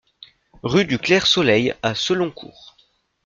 Rue du Clair Soleil à Seloncourt